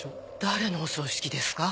誰のお葬式ですか？